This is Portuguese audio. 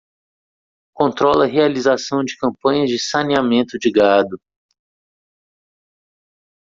Controla a realização de campanhas de saneamento de gado.